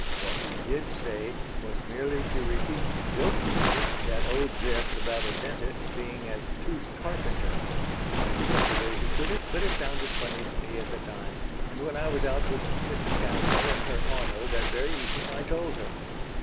What he did say was merely to repeat jokingly that old jest about a dentist being a 'tooth carpenter.' I forget the way he put it, but it sounded funny to me at the time, and when I was out with Mrs. Caswell in her auto that very afternoon I told her.